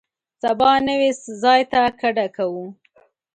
سبا نوي ځای ته کډه کوو.